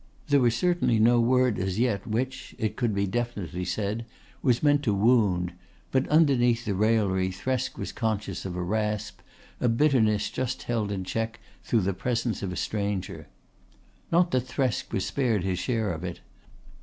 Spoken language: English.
There was certainly no word as yet which, it could be definitely said, was meant to wound, but underneath the raillery Thresk was conscious of a rasp, a bitterness just held in check through the presence of a stranger. Not that Thresk was spared his share of it.